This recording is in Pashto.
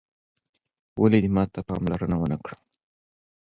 ولي دې ماته پاملرنه وه نه کړل